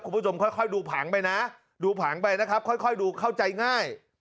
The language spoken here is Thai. คุณผู้ชมค่อยดูผังไปนะดูผังไปนะครับค่อยดูเข้าใจง่าย